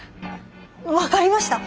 分かりました。